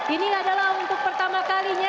ini adalah untuk pertama kalinya